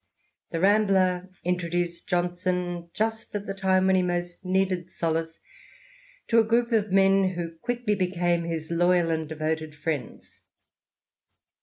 The Rambler introduced Johnson — ^just at the time when he most needed solace — to a group of men who' quickly became his loyal and devoted friends.